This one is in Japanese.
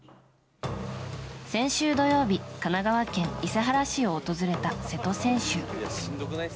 先週土曜日、神奈川県伊勢原市を訪れた瀬戸選手。